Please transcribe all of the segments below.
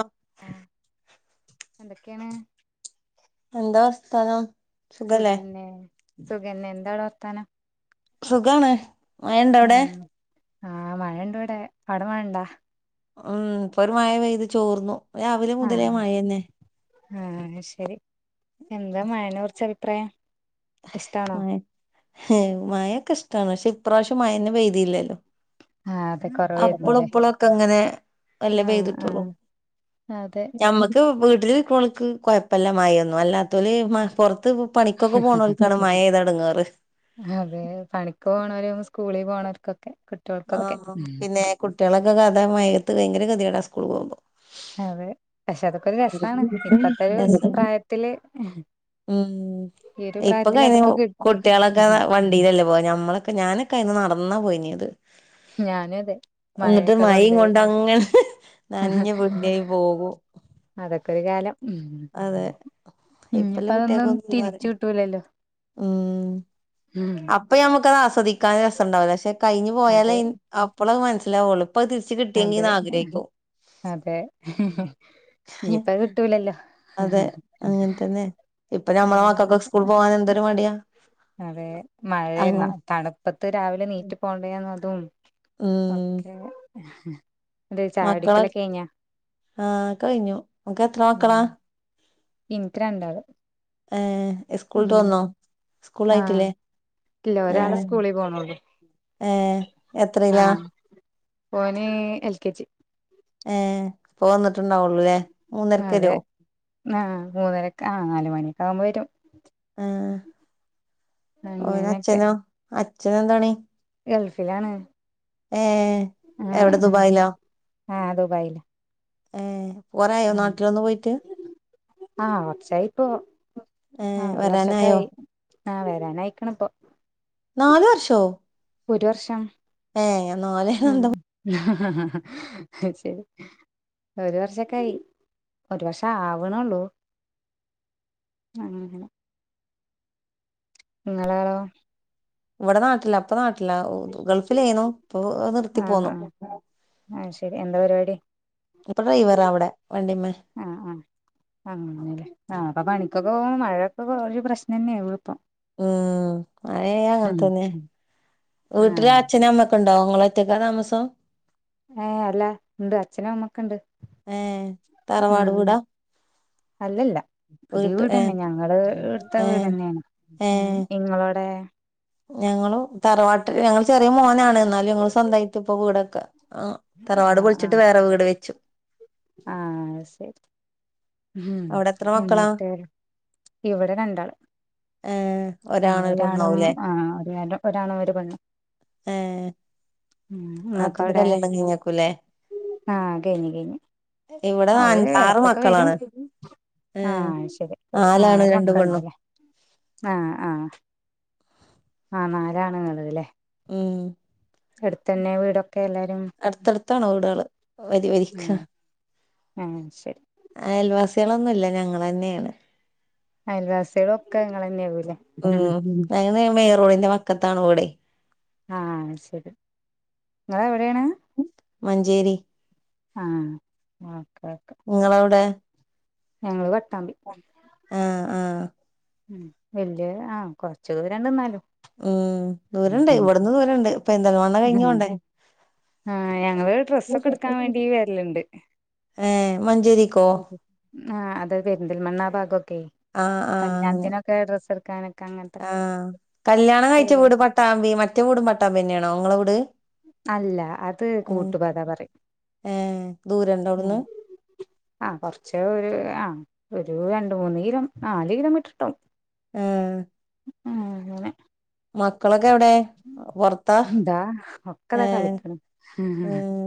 അം ആഹ് എന്തൊക്കെയാണ് എന്താ സ്ഥലം സുഖന്നെ സുഖന്നെ എന്താാണ് വർത്താനം സുഖാണ് വയണ്ട അവിടെ ഉം ആഹ് മഴ ഇണ്ട ഇവിടെ പവിട മഴ ഇണ്ടാ ഉം ഇപ്പൊ ഒരു മഴ പെയ്ത് ചോർന്നു രാവിലെ ആഹ മുതലേ മഴന്നെ ആഹ ശരി എന്താ മഴന കുറച്ച അത്രയും ഇഷ്ടാണോ മൊക്കെ ഇഷ്ടമാണ് പക്ഷെ ഇപ്രാവശ്യം മഴെ പെയ്തിയില്ലല്ലോ ആഹ് അതെ അപ്പള കൊറവായിരുന്നുല്ലേ ഇപ്പളൊക്കെ അങ്ങനെ നല്ല ആഹ് പെയ്തിട്ടുള്ളൂ ആഹ് അതെ നമക്ക് വീട്ടൾക്ക് കുഴപ്പമല്ല മഴൊന്നും അല്ലാത്തവല് പുറത്ത് പണിക്കൊക്കെ പോകുന്നവൾക്കാണ് മഴ ത തുടങ്ങാറ് അതെ പണിക്ക് പോണവരും സ്കൂളിൽ പോണവർക്കൊക്കെ ആ പിന്നെ കുട്ടികളൊക്കെ കഥ മയകത്ത് ഭയങ്കര കഥേടാ സ്കൂൾ പോകുമ്പോ അതെ പക്ഷെ അതൊക്കൊരു രസമാണ് ഇപ്പത്തെ ഒരു രസം പ്രായത്തില് ഉം ഈ ഒരു പ്രായത്തില് ഇപ്പൊക്കയിഞ്ഞ അതൊക്കെ കിട്ടും കുട്ടികളൊക്കെ വണ്ടിയിലല്ലേ പോ ഞമ്മളൊക്കെ ഞാനൊക്കെ അന്ന് നടന്ന അന്നാ പോനിയത് ഞാന അതെ മഴയൊക്കെ കൊണ്ട് നനഞ്ഞ വള്ള പോകൂ അതൊക്കെ ഒരു കാലം ഉം അതെ ഇനിയിപ്പ ഇപ്പല്ലാം കുട്ടിയക്കെ അതൊന്നും ഒന്നന്ന് പറ തിരിച്ചു കിട്ടൂലല്ലോ ഉം ഉം അപ്പ നമുക്ക്താ ആസ്വദിക്ക കിക്കാൻ രസംുണ്ടാവില്ല പക്ഷെ കഴിഞ്ഞഞ് പോയാലേ അതെ അപ്പോള അത് മനസ്സിലാവുള്ളു അപ്പൊ തിരിച്ച അതെ കിട്ടിയെങ്കിന്ന് ആഗ്രഹിക്കോ അതെ ഇനിയിപ്പ അത് കിട്ടൂലല്ലോ അതെ അങ്ങനെ തന്നെ ഇപ്പൊ ഞമ്മെ മക്കൾക്ക്െ അങ്ങനൊക്കെ സ്കൂൾ പോകൻ എന്തൊരു മടിയാ അതെ മഴയ അങ്ങനെ തണുപ്പത്ത് രാവിലെ നീറ്റ്ി പോണ്ടതന്ന അതും ഉം ഓക്കെ ഇത് മക്കളെ ചാടിക്കലൊ കഴഞ്ഞ ആഹ് കഴിഞ്ഞു ഇങ്ങക്ക് എത്ര മക്കളാ ഇൻക്ക് രണ്ടാല ഏർ സ്കൂളട്ട് വന്നോ സ്കൂൾ ആഹ് ആായിട്ടില്ലേ ഇല്ല ഒരാള് ആഹ സ്കൂളിൽ പോണള്ളൂ ഏർ എത്രല്ലാ പോനി എൽ കെജി ഏ പോന്നിട്ടുണ്ടാവുള്ളൂല്ലേ മൂന്നരക്കരുവോ ആ് മൂന്നരക്ക ആ നാലുമണിയൊക്കെ ആകുമ്പോ വരും ആ ഓര അങ്ങനെയൊക്കെ അച്ഛനോ അച്ഛന എന്തോണ ഗൾഫിലാണ് ഏ എവിടെ ദുബായിലാ ആഹ അ ദബായില ഏർ പോറായോ നാട്ടിലൊന്ന്ു പോയിട്ട് ആഹ് കുറച്ചായി ഇപ്പൊ ആ ഏഹ് ഒരു വർച്ചൊക്ക വരാനായോ ആയി ആഹ വരാാനയിക്കണ ഇപ്പൊ നാാല വർഷോ ഒരു വർഷം ഏ ഞാ നോല എന്ത ആ ശരി ഒരു വർഷൊക്കയി ഒരുപക്ഷേ ആവണള്ളൂ അനെ നിങ്ങളോ ഇവിടെ നാട്ടില്ല അപ്പ നാട്ടില്ല ഗൾഫിലേന്നു ഇപ്പ നിർത്തി പോന്നു ആഹ ശരി എന്താ പരിപാടി ഇപ്പൊ ഡ്രൈവറാ അവിടെ വണ്ടിമ്മേ ആഹ ആ് ആ ആ അപ്പൊ പണ ഇതൊക്കെ പോുമ്പോ മഴയക്കെ ഒരു പ്രശ്നം തെയാണ് എ ഇപ്പം ഉം അഴയ അങ്ങനെത്തന്നെ വീട്ടില ആഹ് അച്ഛന അമ്മക്കണ്ട് ഉണ്ടോങ്ങളായിറ്റക്കാ താമസം ഏ അല്ല ഉണ്ട് അച്ഛനും അമ്മക്കുണ്ട് ഏ തറവാടു കൂട അല്ലല്ല പുതിയ വീട് തന്നെ ഞങ്ങള് എടുത്ത ഏ വീട്ന്നെയാണ് ഉ ഇങ്ങളോടെ ഞങ്ങള് തറവാട്ട ഞങ്ങള്ൾ ചെറിയ മോനാണ് എന്നാലും ഞങ്ങള്ൾ സ്വന്തമായിട്ട ഇപ്പൊ കീടൊക്കെ ആ തറവാട് പൊളിച്ചിട്ട് വേറെ വീട് വെച്ചു ആഹ ശരി ഉം അവിടെ എത്ര മക്കളാ എന്നിട്ട് ഇവിടെ രണ്ടാള് ഏ ആഹ ഒരാണ് ഒരു ഒരാളും പെണ്ണാവൂലേ ആ ഒരു നേരം ഒരാണ ഒരു പണ്ു ഏ ഉ നിങ്ങൾക്ക് നാത്തൂന്റെ അവിടെ കല്യാണം കഴിഞ്ഞേക്കൂല്ലേ ആഹ കഴിഞ്ഞ കഴിഞ്ഞ ഇവിടെ ന ആറ് മക്കളാണ് ഏ ആഹ് നാലാണ് രണ്ട കെണ്ണും ആഹ ആഹ ആ നാലാണ് എന്നുള്ളത്ല്ലേ ആ വീടൊക്കെ എല്ലാരും അടുത്തടുത്താണോ വിടേള് വരി വരിക്ക [inaudible] ഏഹ് ശെരി അയൽവാസിയാളൊന്നുല്ല ഞങ്ങളെ ന്നെയാണ് അയൽവാസികളൊക്കെ ഇങ്ങളെന്നെയാവൂല്ലേ ഉം അനെ റോഡിന്റെ വക്കത്താണ് വീടെ ആഹ് അത് ശരി ശരി നിങ്ങളെ എവിടെയാണ് മഞ്ചേരി ആഹ് ഓക്കെ ങ്ങളവിടെ ഞങ്ങള് പട്ടാമ്പി ആഹ് ആഹ് ഉം വല്യെ ആഹ് കൊറച്ച് ദൂരണ്ട്ന്നാലും ഉം ദൂരണ്ട് ഇവട്ന്ന് ദൂരണ്ട് പെര്ന്തൽമണ്ണ ഉം കഴിഞ്ഞോണ്ടേ ആഹ് ഞങ്ങള് ഡ്രസ്സൊക്കെ എടുക്കാൻ വേണ്ടി വെര്ല്ണ്ട് ഏഹ് മഞ്ചേരിക്കോ ആഹ് അത് പെരുന്തൽമണ്ണ ആ ഭാഗക്കെയ് ആഹ് ആഹ് അങ്ങനെ കല്യാണത്തിനൊക്കെ ഡ്രസ്സ് ഇടക്കാന് ആഹ് കല്യാണം കയിച്ച വീട് പട്ടാമ്പി മറ്റേ വീടും പട്ടാമ്പിയെന്നേണോ ങ്ങളെ വീട് അല്ല അത് ഏഹ് കൂട്ടുപത പറിം ഏഹ് ദൂരണ്ടോ ഉം അവിടുന്ന് ആഹ് കൊർച്ച് ഒരു ആഹ് ഒരു രണ്ട് മൂന്ന് കിലോ നാല് കിലോമീറ്റർ ഇട്ടാവും ഏഹ് ഉം ങ്ങനെ മക്കളൊക്കെ എവ്ടെ പൊർത്താ ഇതാ ഒക്കെതാ ഏഹ് കളിക്കണ്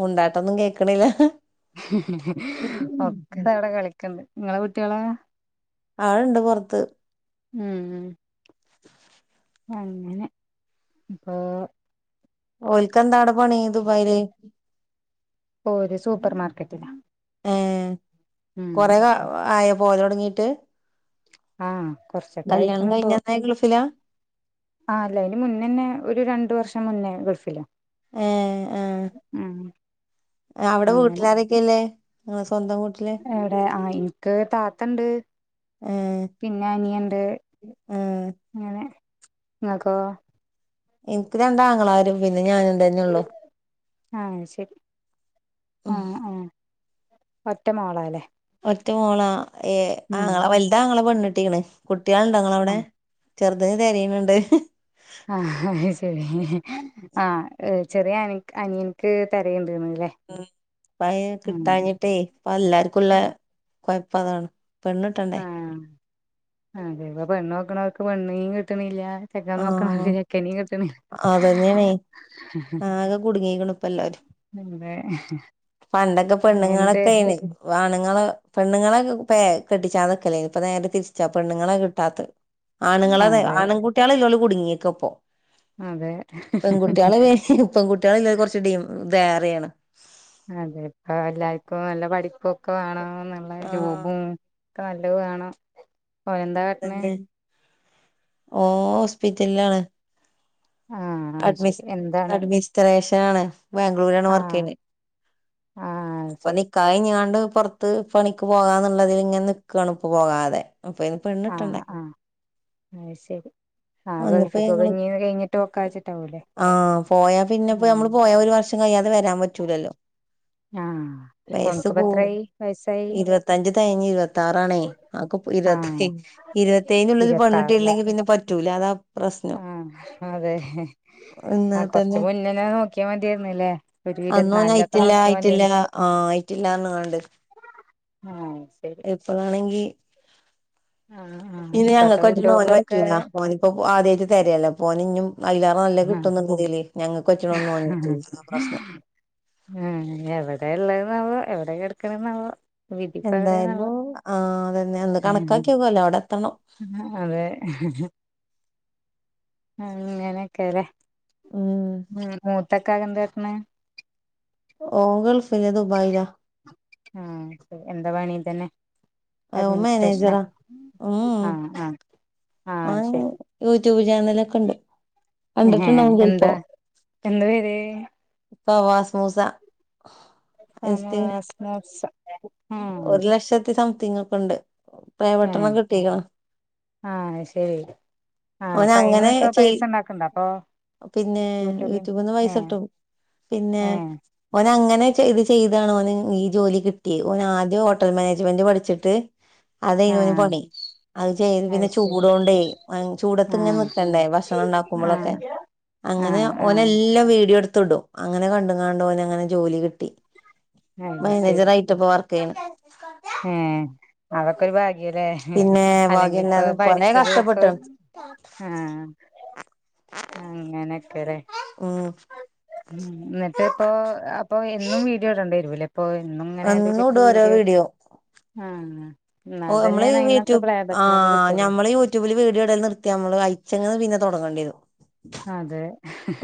മുണ്ടാട്ടൊന്നും കേക്ക്ണില്ല ഒക്കെത അവിടെ കളിക്ക്ണ്ട് ങ്ങളെ കുട്ടിയോളോ ആള്ണ്ട് പൊർത്ത് മ് മ് അങ്ങനെ ഇപ്പോ ഓലിക്കെന്താട ഓര് സൂപ്പർ മാർക്കറ്റിലാ ഏഹേ ഉം കൊറെ ആയോ പോവലൊട്ങ്ങീട്ട്? ആഹ് കൊറച്ചൊക്കായീക്ക്ണ്പ്പൊ കഴിഞ്ഞന്നേ ഗൾഫിലാ ആ അല്ല അയിന് മുന്നന്നെ ഒരു രണ്ടു വർഷം മുന്നേ ഗൾഫില ഏഹ് ആഹ് അവിടെ വീട്ടിലാരൊക്കെല്ലേ ത എടെ ആഹ് എനിക്ക് താത്തണ്ട് ഏ പിന്നെ അനിയന്നുണ്ട് ആ അങ്ങനെ നിങ്ങക്കോ എനിക്ക് രണ്ടാആങ്ങളമാരും പിന്നെ ഞാനും തന്നെ ഒള്ളു ആഹ് ശരി ആ ഉം. ആ ഒറ്റ മോളല്ലേ ഒറ്റ മോളാ ഏഹ് ആങ്ങളെ വലുതാ ആങ്ങളെ പെണ്ണിട്ടിക്കണ് കുട്ടികള് ഉണ്ടോ നിങ്ങള്ടെ ആ അവിടെ ചെറുത് തെരെന്നുണ്ട് ആഹ് അഹ്ശെരി ആ ചെറിയ അനി അനിയൻക്ക് തെരയ്ണ്ട് നീ ഉം ഇപ്പയേ കിട്ടാഞ്ഞിട്ടേ ഇപ്പ എല്ലർക്കുള്ളെ കൊയപ്പതാണ് പെണ്ണ്ട്ടെണ്ടേ? ആ അതെ ഇപ്പോ പെണ്ണോക്ക്ണോല്ക്ക് പെണ്ണിനിം കിട്ടണില്ല ചെക്കൻ ആ നോക്കണോർക്ക് ചെക്കനിം കിട്ടണി അതന്നെയാണേ ആകെ കുടുങ്ങിക്കണ് ഇപ്പ എല്ലാരും പിന്നെ പണ്ടൊക്കെ പെണ്ണുങ്ങളെക്കേണ് പ്പ ആണുങ്ങളെ പെണ്ണുങ്ങളൊക്കെ പ്പേ കെട്ടിച്ചാതെക്കെലേനി ഇപ്പ നേരെ തിരിച്ചാ പെണ്ണുങ്ങളെ കിട്ടാത്തെ ആണുങ്ങളതെ അതെ ആണ് കുട്ടിയളില്ലോല് കുടുങ്ങിയെക്കാപ്പം അതെ പെങ്കുട്ട്യാള് പെങ്കുട്ട്യാള്ല്ലോൽക്ക് കൊർച്ച് ഡി ഇതേറെയാണ് അതെ ഇപ്പോ എല്ലാവർക്കും നല്ല പഠിപ്പുംൊക്കെ വേണംോ നല്ല ആഹ് ജോബും. ഇക്നല്ലത് വേണം ഓനെന്താ കാട്ടണ്. ഓ ഹോസ്പിറ്റലിലാണ്. ആഹ് അത് ശരി എന്താണ് അഡ്മിനിസ്ട്രേഷൻ ആണ്. ബാംഗ്ലൂരിാണ് വർക്ക് ആഹ് ചെയ്യണ ആഹ് അത് ഇപ്പം ശരി നിക്കാഹ് കഴിഞ്ഞാണ്ട്. പുറത്ത് പണിക്ക് പോകാന്നുള്ളതിൽ ഇങ്ങനെ നിൽക്കുകാണ് ഇപ്പ പോകാതെ. അപ്പൊ ഐന്. പെണ്ണിട്ടണ്ടേ അ. ശരി ആഹ ഗൾഫിക്കൊക്കെ ഇീന്ന് കഴിഞ്ഞിട്ട് നോക്കിച്ചിട്ട. ആഹ പോയാ പിന്നെപ്പോ നമ്മള് പോയാ ഒരു വർഷം കഴിയാതെ വരാൻ പറ്റൂലല്ലോ? ആഹ് വയസ ഓൻക്കിപ്പ കൂ എത്രായി വയസ്സായി ഇരുപത്തഞ്ച് തഴിഞ്ഞ് ഇരുപത്തി ആറാണേ, ആതെകെ ഇരുപത്ത ആഹ് ഇരുപത്തേുള്ളത് പഞ്ഞിട്ട് ഇില്ലെങ്കിൽ പിന്നെ പറ്റൂലന്ന ആഹ അതെ എന്നാ കുറച്ചു തന്നെ മുന്നേ നോക്കിയാൽ മതി മതിയായിരുന്നില്ലേ ഒരു ഇരുവത്തി നാലിൽ. നോക്കിയാൽ മതി ആഹ ആയിട്ടില്ലന്ന കണ്ട്. ഉം ഇപ്പളാണങ്കി. ആഹ് ആഹ് ഇനി ഞങ്ങൾക്ക് ഇപ്പത്തെ പറ്റണം ഓന് കുട്ടികൾക്കൊക്കെ പറ്റൂല്ല ഒന് ആദ്യായിട്ട തരില്ലേ. ഐലാറന്നല്ല ആഹ് കിട്ടുന്നഇതില് ഞങ്ങൾക്ക് പറ്റുന്നത് ഒന് പറ്റില്ല അതാണ് പ്രശ്നം. ഉം എവിടെ ഉള്ളന്നാവോ എവിടെ കെടക്കണെന്നാവോ. വിധിപ്പവിടെന് ആവ്വോ. എന്തായാലും ആഹ് അതന്നെ ഒന്ന് കണക്കാക്കിയോക്കല്ലോ അവിടെ എത്തണം അതെ ഉ അങ്ങനെക്കെലെ ഉം ഹ് ഇക്കാക്ക ന്താ കാട്ട്ണെ. ഓൻ, ഗൾഫിൽ ദുബായില. ആഹ എന്താ പണി ഇതന്നെ അ അഡ്മിനിസ്ട്രേഷനാ മേനജറ ഉം ആ ആ ആ ശരി ട്യൂബ് ചാനല ഒക്കെ ഉണ്ട്. ഹഹ കണ്ടിട്ടുണ്ടാവും ചെലപ്പോ എന്താ എന്ത് പേര്? ഫവാസ് മൂസ. ഇൻസ്റ്റഗ്രാം ഫവാസ് മൂസ. ഒരു ലക്ഷത്തി സംതിങ്ങക്കണ്ട്. പ്ലേ ഏ ബട്ടൺ കിട്ടിക്ക്ണ്. ആ ശരി ആ അവന അപ്പൊ അങ്ങനെ അയിന്നൊക്കെ ചെയ്. പൈസ ഉണ്ടാക്കണ്ട അപ്പൊ പിന്നെ യൂട്യൂബിൽ യൂട്യൂബന്ന് പൈസ ഏ ഇട്ടും. പിന്നെ ഏ ഓന അങ്ങനെ ഇത് ചെയ്ത, [unintelligible] ഈ ജോലി കിട്ടി ഓൻ ആദ്യം ഹോട്ടൽ മാനേജ്മെന്റ് പഠിച്ചിട്ട് ആ അതനിയ് ഓന് പണി അത്ചെയ്ത് പിന്നെ അത് ശരി ചൂടോണ്ട് [unintelligible] ആ ഭക്ഷണം ആ ഉണ്ടാക്കുമ്പോഴൊക്കെ അങ്ങനെ ആഹ് ഓന ആഹ് എല്ലാം വീടിയോ എടു [unintelligible] ത്തിടും അങ്ങനെ കണ്ട കാണ്ടോന അങ്ങനെ ജോലി കിട്ടി. അത് ശരി മാനേജർ ആയിട്ടപ്പൊ വർക്ക് ചെയ്യണ്. അതൊകരു ഭാഗ്യം. ല്ലേ പിന്നെ അല്ലെങ്കി ഇപ്പൊ ഭാഗ്യല്ലാതെ കൊറേ പഠിച്ചത് ഇപ്പൊ കഷ്ടപ്പെട്ടണ് ആഹ. അങ്ങനെ ഉം ഉ. എന്നിട്ട് ഇപ്പോ അപ്പൊ എന്നും വീഡിയോ ഇടേണ്ടി വരുലേ അപ്പൊ ഇന്നും ഇങ്ങനെ എന്നും ടെലെക്കെ ഇടും ഓരോ വീഡിയോ ആ. ഓ നമ്മള് യൂട്യൂ് ആ് പ്ലേബാക്കിനൊക്കെ കിട്ടുള്ളൂ നമ്മള് യൂട്യൂബില് വീഡിയോ ഇടൽ നിർത്തിയാ നമ്മള് അയച്ച പിന്നെ തെങ്ങണം. [unintelligible] അതെ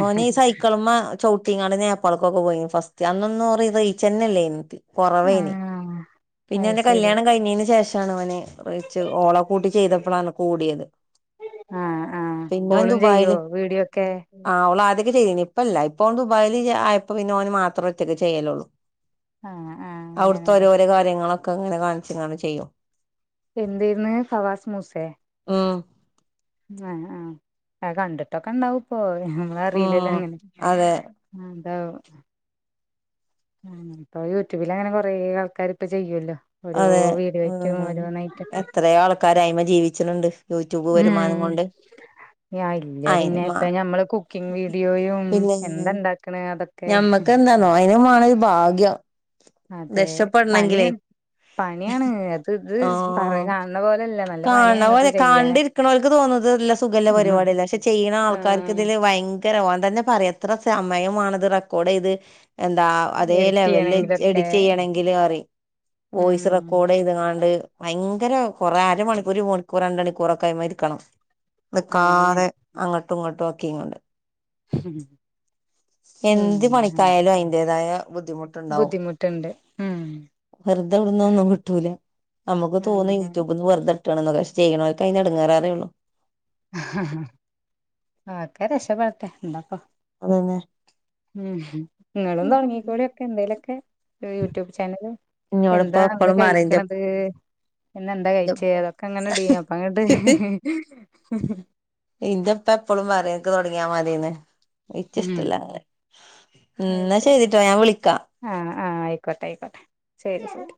ഓ ന സൈക്കൽ മാ ചൗ [unintelligible] ഞങ്ങൾ നേപ്പാൽക് പോയിനി അന്ന് ഒന്നും റീച്ചന്നെല്ലയിനി. കൊറവേന് ആഹ് പിന്നെ അത് എന്റെ ശരി കല്യാണം കഴിഞ്ഞതിന് ശേഷം ാണ് അവനെ ച്ച് ഓള കൂട്ടി ചെയ്തപ്പോളാണ് കൂടിയത് ആഹ് ആഹ് പിന്നെ കോളും ചെയ്യോ ദുബായില് വീഡിയോ ഒക്കെ ആള്ളൂ ആതൊക്കെ ചെയ്യേ ഇപ്പല്ല ഇപ്പൊ ദുബായിൽ ആയപ്പോ പിന്നെഓന് മാത്രമേറ്റൊക്കെ ചെയ്യലുള്ളൂ ആഹ് ആഹ് അവിടുത്തെ അങ്ങനെല്ലേ ഓരോരോ കാര്യങ്ങളൊക്കെ ഇങ്ങനെ കാണിിച്ചങ്ങെ ചെയ്യും എന്തായിന്ന് കവാസ് മൂസെ ആ ആ ആ കണ്ടിട്ടൊക്കെ ഇണ്ടാവ പോ നമ്മള അറിയില്ലല്ലോ ഉം അങ്ങനെ അതെ എന്ത ഉ ഇപ്പൊ യൂട്യൂബിൽ അങ്ങനെ കൊറ ആൾക്കാർ ഇപ്പ ചെയ്യുമല്ലോ അതെ ഉ എത്ര ആൾക്കാരായ്മ ജീവിച്ചിട്ടുണ്ട് യൂട്യൂബ് വരുമാനം ഉം ണ്ട് ഇല്ല പിന്നെ ഇപ്പ ഞമ്മള് കുക്കിംഗ വീഡിയോയും എന്താ ഉണ്ടാക്കണ അതൊക്കെ എന്താന്നോ അയിതിന മണ ഒരു ഭാഗ്യം അതെ പണിയ രക്ഷപ്പെടണെങ്കിലേ പണിയാണ് അത് ഇത് പറ കാണുന്ന പോലെ കാണ പോലെ കണ്ടിരിക്കണവർക്ക് തോന്നുന്നത് സുഖല്ല പരിപാടല്ല പക്ഷെ ചെയ്യണ ആൾക്കാർക്ക് ആഹ് ഇതില് ഭയങ്കര ഓൻ തന്നെ പറയാ എത്ര സമയമാണത് റെക്കോർഡ് ചെയ്ത് എന്താ അതേ എഡിറ്റ് ലെവലില് ചെയ്യണെങ്കിലൊക്കെ എടിച്ച് ചെയ്യണമെങ്കിലിൽ അറി വോയിസ് ഉം റെക്കോർഡ് ചെയതങ്ങാണ്ട് ഭയങ്കര കുറെ അരമണിക്കൂർ ഒരു മണിക്കൂർ രണ്ട മണിക്കൂർ ഒക്കെ ആയി മാരിക്കണം അതെന്നെ അത്ക്കാറെ അങ്ങോട്ടും ഇങ്ങോട്ടും ഒക്കെ ഇങ്ങണ്ട് എന്ത് ഉം മണിക്കായാലും അതിന്റേതായ ബുദ്ധിമുട്ടുണ്ടാവും ബുദ്ധിമുട്ടുണ്ട് ഉം ടുന്നൊന്നും കിട്ടൂല നമുക്ക് തോന്നുന്നു അങ്ങനെ യൂട്യൂബ് വെുതെ ചെയ്യ്ണേല്ക്ക് അയ്ൻ്റ എടങ്ങേറ് അറിയള്ളൂ ത എന്താക്ക തന്നെ ഉം നിങ്ങളും തുടങ്ങീക്കോളിഒക്കെ എന്തേലുമൊക്കെ യൂട്യൂബ് ചാനല് ഇന്നോട് ഇപ്പ എന്താന്ന് എപ്പളും പറയും കഴിക്ക്ണത് പിന്നെ എന്താ കഴിച്ചേ അതൊക്കെ അങ്ങനെ അപ്പ അങ്ങട്ട് ഇന്റെ ഇപ്പ എപ്പഴും പറിംഇത് തുടങ്ങിയാ മതിന്ന് ഇച്ച് ഉം ഇഷ്ട്ടല്ല അങ്ങനെ ഇന്നാ ശെരിട്ടോ ഞാൻ വിളിക്കാം ആഹ് ആയിക്കോട്ടെ ആയിക്കോട്ടെ ശരി ശരി